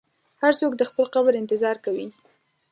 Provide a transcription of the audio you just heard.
هر څوک د خپل قبر انتظار کوي.